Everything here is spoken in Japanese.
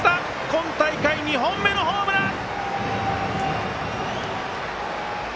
今大会２本目のホームラン！